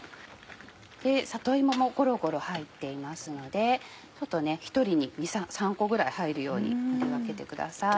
里芋もごろごろ入っていますので１人に３個ぐらい入るように取り分けてください。